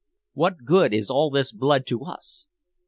What good is all this blood to us?